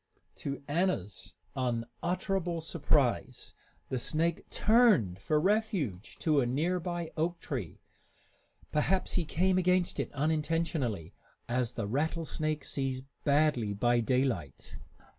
To Anna's unutterable surprise, the snake turned for refuge to a near by oak tree. Perhaps he came against it unintentionally, as the rattlesnake sees badly by daylight.